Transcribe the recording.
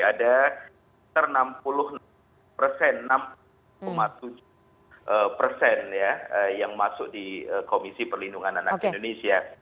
ada enam puluh persen enam tujuh persen yang masuk di komisi perlindungan anak indonesia